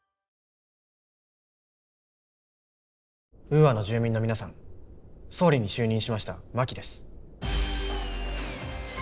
ウーアの住民の皆さん総理に就任しました真木です。